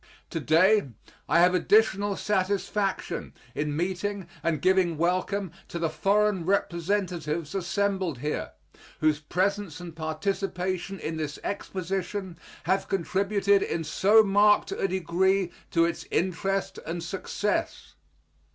To day I have additional satisfaction in meeting and giving welcome to the foreign representatives assembled here, whose presence and participation in this Exposition have contributed in so marked a degree to its interest and success.